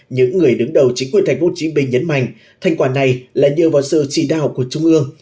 những người đứng đầu chính quyền thành phố hồ chí minh nhấn mạnh thành quả này là nhờ vào sự trì đạo của trung ương